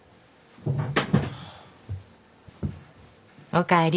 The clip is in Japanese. おかえり。